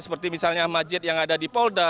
seperti misalnya majid yang ada di polda